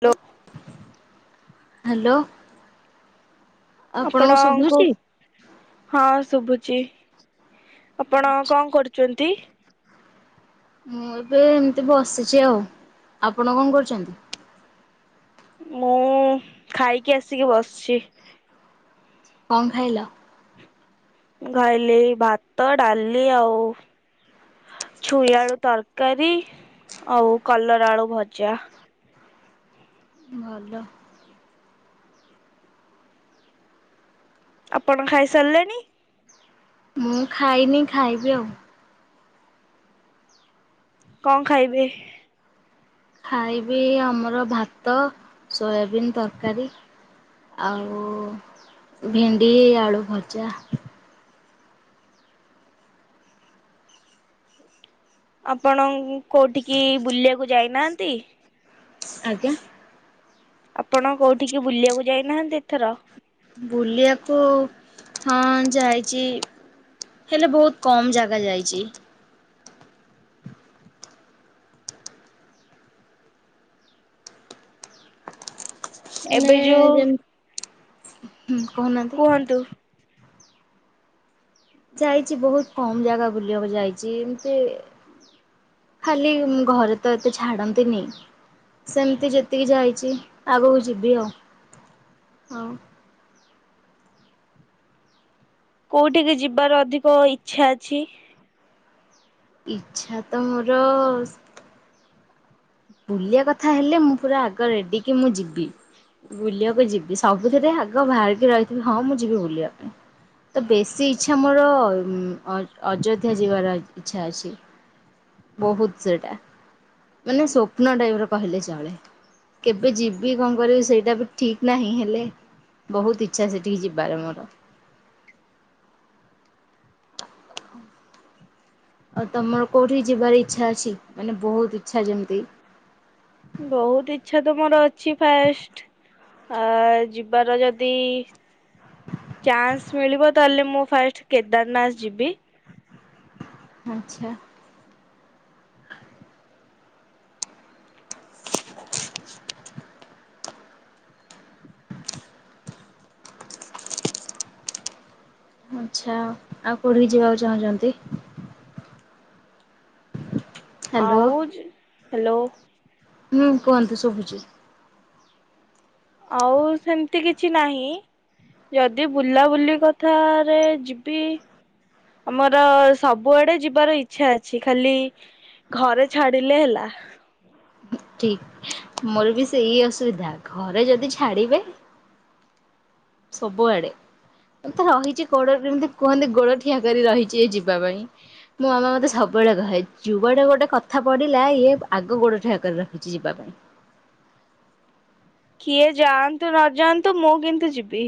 Hello hello. ଆପଣଙ୍କୁ ହଁ ଶୁଭୁଛି ଆପଣ ଆଚ୍ଛା କଣ କରୁଛନ୍ତି? ମୁଁ ଏବେ ଏମିତି ବସିଛି ଆଉ ଆପଣ କଣ କରୁଚନ୍ତି? ମୁଁ ଖାଇକି ଆସିକି ବସିଚି। କଣ ଖାଇଲ? ମୁଁ ଖାଇିଲ ଭାତ ଡାଲି ଆଉ ଛୁଇ ଆଳୁ ତରକାରୀ ଆଉ କଲରା ଆଳୁ ଭଜା। ଭଲ। ଆପଣ ଖାଇ ସାରିଲେଣି। ମୁଁ ଖାଇନି ଖାଇବି ଆଉ। କଣ ଖାଇବେ? ଖାଇବି ଆମର ଭାତ ସୋୟାବିନ୍ ତରକାରୀ ଆଉ ଭେଣ୍ଡି ଆଳୁ ଭଜା। ଆପଣ କୋଉଠିକି ବୁଲିବାକୁ ଯାଇନାହା ନ୍ତି? ଆଜ୍ଞା। ଆପଣ କୋଉଠି କି ବୁଲିବାକୁ ଯାଇନାହାନ୍ତି ଏଥର। ବୁଲିବାକୁ ହଁ ଯାଇଛି ହେଲେ ବହୁତ କମ ଜାଗା ଯାଇଚି। ମାନେ ଏବେ ଯୋଉ ଯେମ କହୁନାହାନ୍ତି। କୁହନ୍ତୁ ଯାଇଛି ବହୁତ କମ ଜାଗା ବୁଲିବାକୁ ଯାଇଛି ଏମିତି ଖାଲି ଘରେ ତ ଏତେ ଛାଡନ୍ତିନି ସେମିତି ଯେତିକି ଯାଇଛି ଆଗକୁ ଯିବି ଆଉ ହଉ। କୋଉଠିକି ଯିବାର ଅଧିକ ଇଚ୍ଛା ଅଛି? ଇଚ୍ଛା ତ ମୋର ବୁଲିବା କଥା ହେଲେ ମୁଁ ପୁରା ଆଗ ରେଡିିକି ମୁଁ ଯିବି ବୁଲିବାକୁ ଯିବି ସବୁଥିରେ ଆଗ ବାହାରିକି ରହିଥିବି ହଁ ମୁଁ ଯିବି ବୁଲିବା ପାଇଁ ତ ବେଶୀ ଇଚ୍ଛା ମୋର ଅଯୋ ଅଯୋଧ୍ୟା ଯିବାର ଇଚ୍ଛା ଅଛି ବହୁତ ସେଟା ମାନେ ସ୍ୱପ୍ନ ଟାଇପ୍ ର କହିଲେ ଚଳେ କେବେ ଯିବି କଣ କରିବି ସେଇଟା ବି ଠିକ ନାହିଁ ହେଲେ ବହୁତ ଇଚ୍ଛା ସେଠିକି ଯିବାରେ ମୋର। ଆଉ ତମର କୋଉଠି ଯିବାର ଇଚ୍ଛା ଅଛି ମାନେ ବହୁତ ଇଚ୍ଛା ଯେମିତି ବହୁତ ଇଚ୍ଛା ତ ମୋର ଅଛି ଫାଷ୍ଟ ଆ ଯିବାର ଯଦି ଚାନ୍ସ ମିଳିବ ତାହେଲେ ମୁଁ ଫାଷ୍ଟ କେଦାରନାଥ ଯିବି। ଆଚ୍ଛା। ଆଚ୍ଛା ଆଉ କୋଉଠିିକି ଯିବାକୁ ଚାହୁଁଛନ୍ତି? ହ୍ୟାଲୋ ଆଉଜ ହ୍ୟାଲୋ। ହୁଁ କୁହନ୍ତୁ ଶୁଭୁଛି। ଆଉ ସେମିତି କିଛି ନାହିଁ ଯଦି ବୁଲାବୁଲି କଥାରେ ଯିବି ଆମର ସବୁଆଡେ ଯିବାର ଇଚ୍ଛା ଅଛି ଖାଲି ଘରେ ଛାଡିଲେ ହେଲା। ଠିକ ମୋର ବି ସେଇ ଅସୁବିଧା ଘରେ ଯଦି ଛାଡିବେ ସବୁଆଡେ ମତେ ରହିଛି ଗୋଡଯେମତି କୁହନ୍ତି ଗୋଡ ଠିଆ କରି ରହିଛି ଯିବା ପାଇଁ ମୋ ମାମା ମତେ ସବୁବେଳେ କହେ ଯୁଆଡେ ଗୋଟେ କଥା ପଢିଲା ଇଏ ଆଗ ଗୋଡ ଠିଆ କରି ରଖିଛି ଯିବା ପାଇଁ। କିଏ ଯାଆନ୍ତୁ ନଯାଆନ୍ତୁ ମୁଁ କିନ୍ତୁ ଯିବି।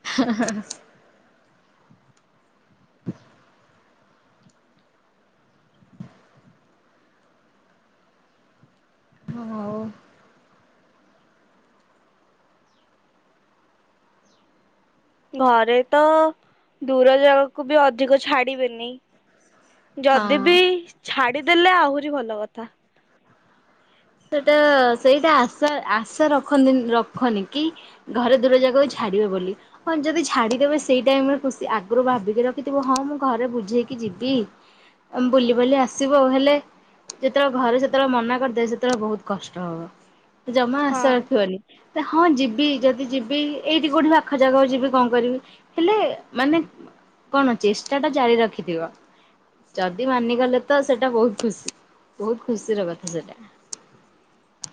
[inaudible] ହଉ। ଘରେ ତ ଦୂର ଜାଗାକୁ ବି ଅଧିକ ଛାଡିବେନି। ଯଦି ହଁ ବି ଛାଡିଦେଲେ ଆ ଭଲ କଥା। ସେଟା ସେଇଟା ଆଶା ଆଶା ରଖନ୍ତିନି ରଖନି କି ଘରେ ଦୂର ଯାାଗାକୁ ଛାଡିବେ ବୋଲି ହ ଯଦି ଛାଡିଦେବେ ସେଇ ଟାଇମ ଖୁସି ଆଗରୁ ଭାବିକି ରଖିଥିବ ହଁ ମୁଁ ଘରେ ବୁଝେଇକି ଯିବି ଆ ବୁଲି ବୁଲି ଆସିବ ହେଲେ ଯେତେବେଳେ ଘରେ ସେତେବେଳେ ମନା କରିଦେବେ ବହୁତ କଷ୍ଟ ହବ। ଜମା ଆଶା ହଁ ରଖିବନି। ହଁ ଯିବି ଯଦି ଯିବି ଏଇଠି କୋଉଠି ପାଖ ଜାଗାକୁ ଯିବି କଣ କରିବି ହେଲେ ମାନେ କଣ ଚେଷ୍ଟା ଟା ଜାରି ରଖିଥିବ ଯଦି ମାନିଗଲେ ତ ସେଟା ବହୁତ ଖୁ ବହୁତ ଖୁସିର କଥା ସେଟା।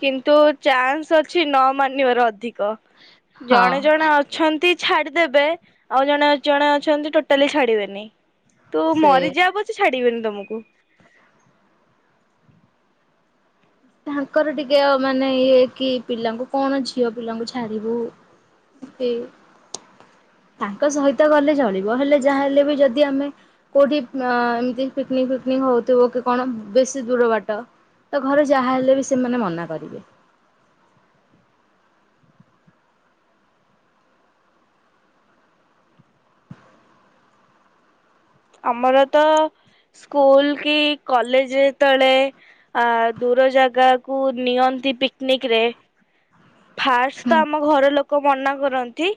କିନ୍ତୁ ଚାନ୍ସ ଅଛି ନ ମାନିବାର ଅଧିକ। ତ ଜଣେ ହଁ। ଜଣେ ଅଛନ୍ତି ଛାଡିଦେବେ ଆଉ ଜଣେ ଜଣେ ଅଛନ୍ତି ଟୋଟାଲି ଛାଡିବେନି। ତୁ ସେଇଆ ମରିଯା ପଛେ ଛାଡିବିନି। ତମୁକୁ [inaudible] ତାଙ୍କର ଟିକେ ମାନେ ଇଏ କି ପିଲାଙ୍କୁ କଣ ଝିଅ ପିଲାଙ୍କୁ ଛାଡିବୁ କି ତାଙ୍କ ସହିତ ଗଲେ ଚଳିବ ହେଲେ ଯାହା ହେଲେ ବି ଯଦି ଆମେ କୋଉଠି ଏମିତି ପିକନିକ୍ ଫିକନିକ୍ ହଉଥିବ କି କଣ ବେଶୀ ଦୂର ବାଟ ତ ଘରେ ଯାହା ହେଲେ ବି ସେମାନେ ମନା କରିବେ। ଆମର ତ ସ୍କୁଲ କି କଲେଜ ତଳେ ଆ ଦୂର ଜାଗା କୁ ନିଅନ୍ତି ପିକନିକ୍ ରେ ଫାଷ୍ଟ ତ ଆମ ଘର ଲୋକ ମନା କ ରନ୍ତି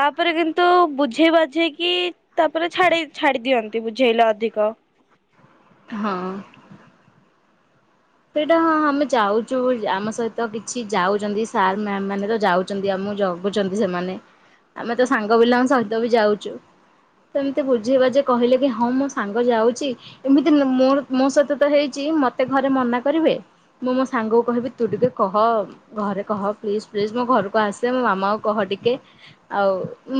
ତାପରେ କିନ୍ତୁ ବୁଝେଇ ବାଝେଇକି ତାପରେ ଛାଡି ଛାଡି ଦିଅନ୍ତି ବୁଝେଇଲେ ଅଧିକ। ହଁ। ସେଇଟା ହଁ ଆମେ ଯାଉଛୁ ଆମ ସହିତ କିଛି ଯାଉଛନ୍ତି ସାର୍ ମ୍ୟାମ ମାନେ ତ ଯାଉଛନ୍ତି ଆମକୁ ଜଗୁଛନ୍ତି ସେମାନେ ଆମେ ତ ସାଙ୍ଗ ପିଲାଙ୍କ ସହିତ ବି ଯାଉଛୁ ତ ଏମିତି ବୁଝେଇ ବାଝେଇ କହିଲେ କି ହଁ ମୋ ସାଙ୍ଗ ଯାଉଛି ଏମିତି ମୋ ମୋ ସହିତ ତ ହେଇଛି ମତେ ଘରେ ମନା କରିବେ ମୁଁ ମୋ ସାଙ୍ଗକୁ କହିବି ତୁ ଟିକେ କହ ଘରେ କହ ପ୍ଲିଜ୍ ପ୍ଲିଜ୍ ମୋ ଘରକୁ ଆସେ ମୋ ମାମାକୁ କହ ଟିକେ ଆଉ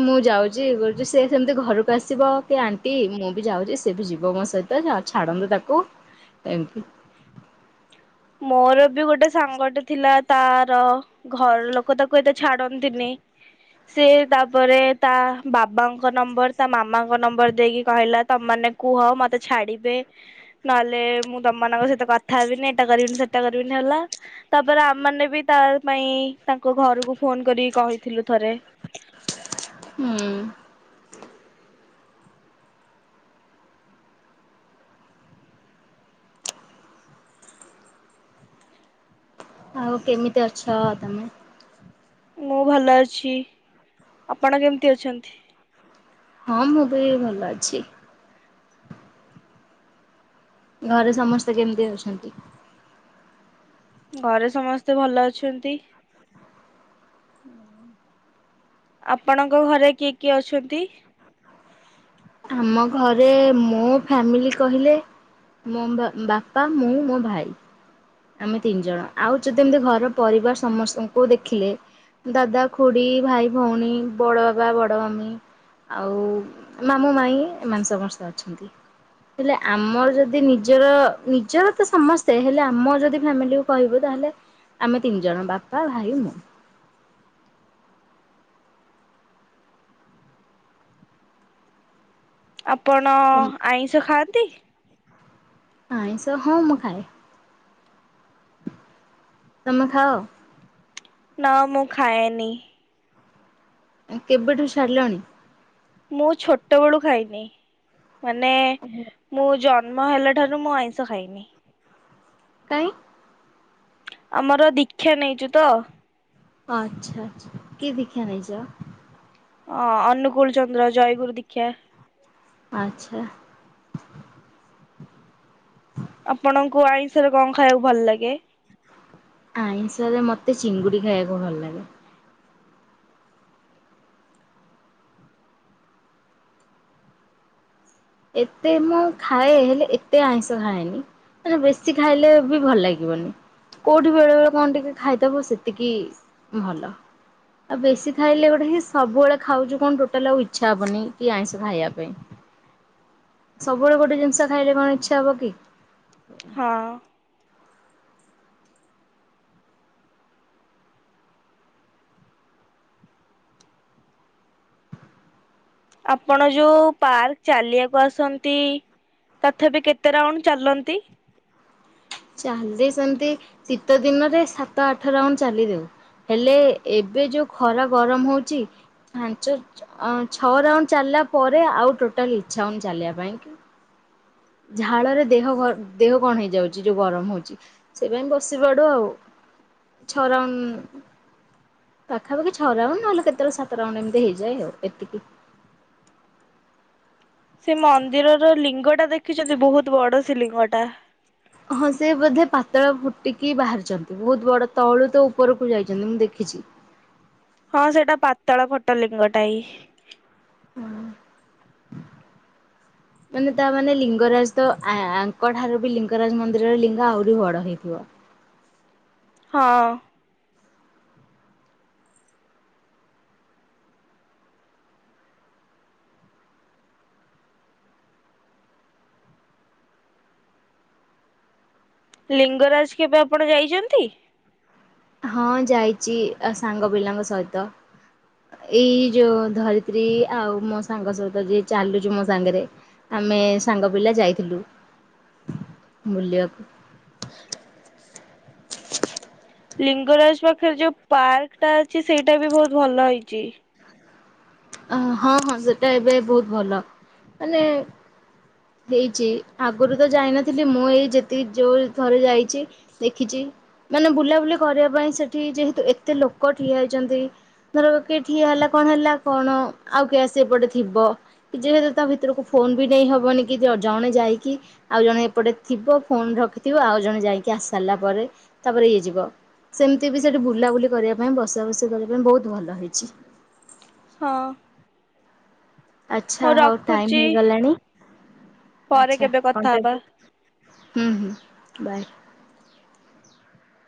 ମୁଁ ଯାଉଛି ଇଏ କରୁଛି ସେ ସେମିତି ଘରକୁ ଆସିବ କି ଆଣ୍ଟି ମୁଁ ବି ଯାଉଛି ସେ ବି ଯିବ ମୋ ସହିତ ଛାଡନ୍ତୁ ତାକୁ। ଏମତି ମୋର ବି ଗୋଟେ ସାଙ୍ଗଟେ ଥିଲା ତାର ଘର ଲୋକ ତାକୁ ଏତେ ଛାଡନ୍ତିନି ସେ ତାପରେ ତା ବାବାଙ୍କ ନମ୍ବର ତା ମାମାଙ୍କ ନମ୍ବର ଦେଇକି କହିଲା ତମମାନେ କୁହ ମତେ ଛାଡିବେ ନହେଲେ ମୁଁ ତମମାନଙ୍କ ସହିତ କଥା ହେବିନି। ସେଟା କରିବିନି ତାପରେ ଆମେମାନେ ବି ତା ପାଇଁ ତାଙ୍କ ଘରୁକୁ ଫୋନ କରିକି କହିଥିଲୁ ଥରେ। ହୁଁ ଆଉ କେମିତି ଅଛ ତମେ? ମୁଁ ଭଲ ଅଛି ଆପଣ କେମିତି ଅଛନ୍ତି? ହଁ ମୁଁ ବି ଭଲ ଅଛି। ଘରେ ସମସ୍ତେ କେମିତି ଅଛନ୍ତି? ଘରେ ସମସ୍ତେ ଭଲ ଅଛନ୍ତି। [inaudible] ଆପଣଙ୍କ ଘରେ କିଏ କିଏ ଅଛନ୍ତି? ଆମ ଘରେ ମୋ ଫ୍ୟାମିଲି କହିଲେ ମୋ ବା ବାପା ମୁଁ ମୋ ଭାଇ। ଆମେ ତିନି ଜଣ ଆଉ ଯଦି ଏମିତି ଘର ପରିବାର ସମସ୍ତଙ୍କୁ ଦେଖିଲେ ଦାଦା, ଖୁଡି ଭାଇ, ଭଉଣୀ ବଡବାବା, ବଡମମି ଆଉ ମାମୁଁ ମାଇଁ ଏମାନେ ସମସ୍ତେ ଅଛନ୍ତି ହେଲେ ଆମର ଯଦି ନିଜର ନିଜର ତ ସମସ୍ତେ ହେଲେ ଆ ମୋ ଯଦି ଫ୍ୟାମିଲି କୁ କହିବୁ ତାହେଲେ ଆମେ ତିନି ଜଣ ବାପା ଭାଇ ମୁଁ। ଆ ଆପଣ ଆଇଁଷ ଖାଆନ୍ତି? ଆଇଁଷ ହଁ ମୁଁ ଖାଏ। ତମେ ଖାଅ। ନା ମୁଁ ଖାଏନି। କେବେଠୁ ଛାଡ଼ିଲଣି? ମୁଁ ଛୋଟବେଳୁ ଖାଇନି। ମାନେ ମୁଁ ଜ ହେଲେ ଠାରୁ ମୁଁ ଆଇଁଷ ଖାଇନି। କାଇଁ ଆମର ଦୀକ୍ଷା ନେଇଛୁ ତ ଆଚ୍ଛା ଆଚ୍ଛାକି କି ଦୀକ୍ଷା ନେଇଚ? ହଁ ଅନୁକୂଳ ଚନ୍ଦ୍ର ଜୟଗୁରୁ ଦିକ୍ଷା ଆଚ୍ଛା। ଆପଣଙ୍କୁ ଆଇଁଷର କଣ ଖାଇବାକୁ ଭଲ ଲାଗେ? ଆଇଁଷରେ ମତେ ଚିଙ୍ଗୁଡି ଖାଇବାକୁ ଭଲ ଲାଗେ। ଏତେ ମୁଁ ଖାଏ ହେଲେ ଏତେ ଆଇଁଷ ଖାଏନି ମାନେ ବେଶୀ ଖାଇଲେ ବି ଭଲ ଲାଗିବନି କୋଉଠି ବେଳେ ବେଳେ କଣ ଟିକେ ଖାଇଥବ ସେତିକି ଭଲ ଆଉ ବେଶୀ ଖାଇଲେ ଗୋଟେ ହିଁ ସବୁବେଳେ ଖାଉଚୁ କଣ ଟୋଟାଲ ଆଉ ଇଚ୍ଛା ହବନି କି ଆଇଁଷ ଖାଇବା ପାଇଁ। ସବୁବେଳେ ଗୋଟେ ଜିନିଷ ଖାଇଲେ କଣ ଇଚ୍ଛା ହବ କି? ହଁ। ଆପଣ ଯୋଉ ପାର୍କ ଚାଲିବାକୁ ଆସନ୍ତି ତଥାପି କେତେ ରାଉଣ୍ଡ ଚାଲନ୍ତି? ଚାଲି ସେମିତି ଶୀତ ଦିନରେ ସାତ ଆଠ ରାଉଣ୍ଡ ଚାଲି ଦଉ ହେଲେ ଏବେ ଯୋଉ ଖରା ଗରମ ହୋଉଚି ପାଞ୍ଚ ଅଁ ଛଅ ରାଉଣ୍ଡ ଚାଲିଲା ପରେ ଆଉ ଟୋଟାଲ ଇଚ୍ଛା ହୋଉନି ଚାଲିବା ପାଇଁ। ଝାଳରେ ଦେହ ଗ ଦେହ କଣ ହେଇଯାଉଚି ଯୋଉ ଗରମ ହୋଉଚି। ସେଇ ପାଇଁ ବସି ପଡୁ ଆଉ ଛଅ ରାଉଣ୍ଡ ପାଖାପାଖି ଛଅ ରାଉଣ୍ଡ ନହେଲେ କେତେବେଳେ ସାତ ରାଉଣ୍ଡ ଏମିତି ହେଇଯାଏ ଆଉ ଏତିକି। ସେ ମନ୍ଦିରର ଲିଙ୍ଗଟା ଦେଖିଚନ୍ତି ବୋହୁତ ବଡ଼ ସେ ଲିଙ୍ଗଟା। ହଁ ସେ ବୋଧେ ପାତଳ ଫୁଟିକି ବାହାରିଚନ୍ତି ବୋହୁତ ବଡ଼ ତଳୁ ତ ଉପରକୁ ଯାଇଚନ୍ତି ମୁଁ ଦେଖିଚି। ହଁ ସେଇଟା ପାତାଳ ଫଟା ଲିଙ୍ଗଟା ଇ ହଁ ମାନେ ତା ମାନେ ଲିଙ୍ଗରାଜ ତ ଆ ଆଙ୍କ ଠାରୁ ବି ଲିଙ୍ଗରାଜ ମନ୍ଦିରରେ ଲିଙ୍ଗ ଆହୁରି ବଡ଼ ହେଇଥିବ। ହଁ। ଲିଙ୍ଗରାଜ କେବେ ଆପଣ ଯାଇଚନ୍ତି? ହଁ ଯାଇଚି ଆ ସାଙ୍ଗ ପିଲାଙ୍କ ସହିତ ଏଇ ଯୋଉ ଧରିତ୍ରୀ ଆଉ ମୋ ସାଙ୍ଗ ସହିତ ଯି ଚାଲୁଚି ମୋ ସାଙ୍ଗରେ ଆମେ ସାଙ୍ଗ ପିଲା ଯାଇଥିଲୁ ବୁଲିବାକୁ। ଲିଙ୍ଗରାଜ ପାଖରେ ଯୋଉ ପାର୍କଟା ଅଛି ସେଇଟା ବି ଭୋଉତ ଭଲ ହେଇଚି। ଅ ହଁ ହଁ ସେଟା ଏବେ ବୋହୁତ ଭଲ ମାନେ ହେଇଚି। ଆଗରୁ ତ ଯାଇନଥିଲି ମୁଁ ଏଇ ଯେତିକି ଯୋଉ ଥରେ ଯାଇଚି ଦେଖିଚି ମାନେ ବୁଲାବୁଲି କରିବା ପାଇଁ ସେଠି ଯେହେତୁ ଏତେ ଲୋକ ଠିଆ ହେଇଚନ୍ତି ଧର କିଏ ଠିଆ ହେଲା କଣ ହେଲା କଣ ଆଉ କିଏ ଆସି ଏପଟେ ଥିବ କି ଯେହେତୁ ତା ଭିତରକୁ ଫୋନ ବି ନେଇହବନି କି ଜଣେ ଯାଇକି ଆଉ ଜଣେ ଏପଟେ ଥିବ ଫୋନ ରଖିଥିବ ଆଉ ଜଣେ ଯାଇକି ଆସରିଲା ପରେ ତାପରେ ଇଏ ଯିବ ସେମିତି ବି ସେଠି ବୁଲାବୁଲି କରିବା ପାଇଁ ବସା ବୁସି କରିବା ପାଇଁ ବୋହୁତ ଭଲ ହେଇଚି ‌। ହଁ। ଆଚ୍ଛା ହଉ ଟାଇମ୍ ହେଇଗଲାଣି ପରେ ଆଛା କେବେ କଥା ହବା। କଣ୍ଟାକ୍ଟ ହୁଁ ହୁଁ ବାଏ।